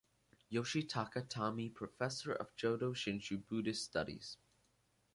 Yoshitaka Tami Professor of Jodo Shinshu Buddhist Studies.